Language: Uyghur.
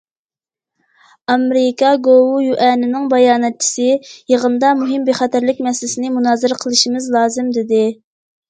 ئامېرىكا گوۋۇيۈەنىنىڭ باياناتچىسى: يىغىندا مۇھىم بىخەتەرلىك مەسىلىسىنى مۇنازىرە قىلىشىمىز لازىم، دېدى.